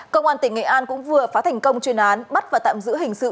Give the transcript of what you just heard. công an tỉnh nghệ an cũng vừa phá thành công chuyên án bắt và tạm giữ hình sự